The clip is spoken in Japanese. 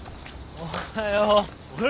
おはよう！